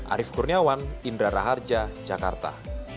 arief kurniawan indra raharja jakarta